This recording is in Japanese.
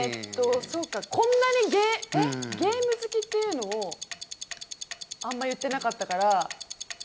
こんなにゲーム好きっていうのをあんまり言ってなかったから。